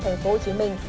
thành phố hồ chí minh